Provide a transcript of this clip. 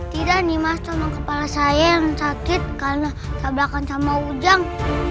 tidak nimas cuma kepala saya yang sakit karena tabrakan sama ujang